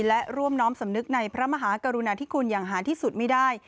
และร่วมน้อมสำนึกในพระมหากรุณาธิคุณอย่างหาที่สุดไม่ได้